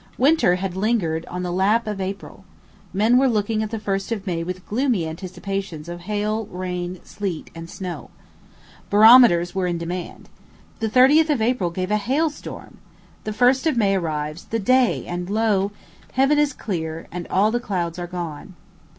Winter had lingered in the lap of April. Men were looking at the 1st of May with gloomy anticipations of hail, rain, snow, and sleet. Barometers were in demand. The 30th of April gave a hail storm! The 1st of May arrives, the day, and lo! "Heaven is clear, And all the clouds are gone."